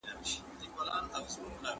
دغه هلک پرون یو ډېر ښه خط ولیکی.